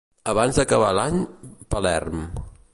Abans d’acabar l’any, Palerm.